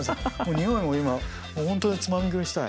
においも今ほんとにつまみ食いしたい。